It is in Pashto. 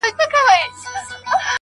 د ژوند ښکلا په توازن کې ده!